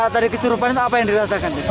tadi kesurupan apa yang dirasakan